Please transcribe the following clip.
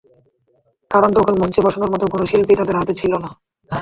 কারণ তখন মঞ্চে বসানোর মতো কোনো শিল্পী তাদের হাতে ছিল না।